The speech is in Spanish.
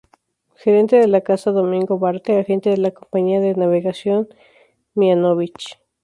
Gerente de la casa Domingo Barthe, Agente de la Compañía de navegación Mihanovich.